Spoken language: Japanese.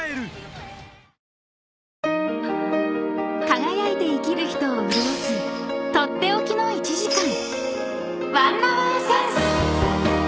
［輝いて生きる人を潤す取って置きの１時間］